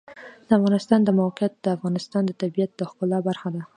د افغانستان د موقعیت د افغانستان د طبیعت د ښکلا برخه ده.